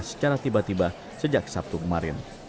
secara tiba tiba sejak sabtu kemarin